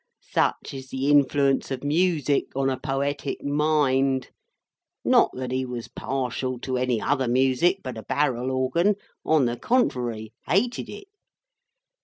Such is the influence of music on a poetic mind. Not that he was partial to any other music but a barrel organ; on the contrary, hated it.